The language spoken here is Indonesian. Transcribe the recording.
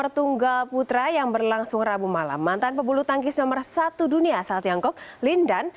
tunggal putra yang berlangsung rabu malam mantan pebulu tangkis nomor satu dunia asal tiongkok lindan